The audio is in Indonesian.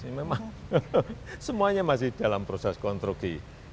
ini memang semuanya masih dalam proses konstruksi